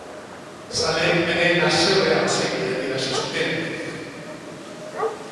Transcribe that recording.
Zaleek beren haserrea ozenki adierazi zuten.